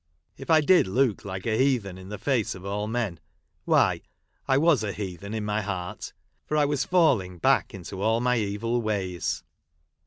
If I did look like a heathen in the face of all men, why I was a heathen in my heart ; for I was falling back into all my evil ways.